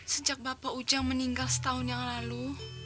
sejak bapak ujang meninggal setahun yang lalu